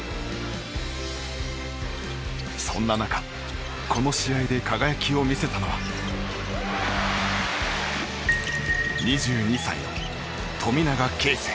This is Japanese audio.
そんな中この試合で輝きを見せたのは２２歳の富永啓生。